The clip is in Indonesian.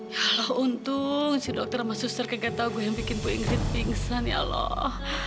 ya allah untung si dokter sama suster kegiatan gue yang bikin bu ingrid pingsan ya allah